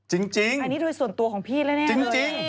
หึอันนี้โดยส่วนตัวของพี่แน่เลยจริง